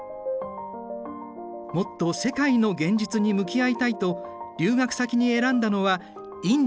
もっと世界の現実に向き合いたいと留学先に選んだのはインドだった。